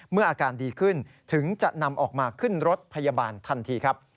อาการดีขึ้นถึงจะนำออกมาขึ้นรถพยาบาลทันทีครับ